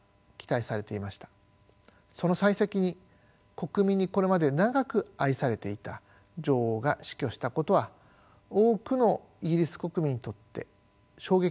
その幸先に国民にこれまで長く愛されていた女王が死去したことは多くのイギリス国民にとって衝撃であったと思います。